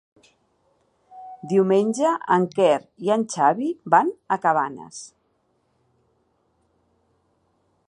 Diumenge en Quer i en Xavi van a Cabanes.